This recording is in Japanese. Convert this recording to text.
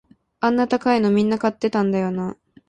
あんな高いのみんな買ってたんだよな